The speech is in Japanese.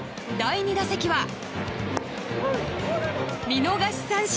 第２打席は。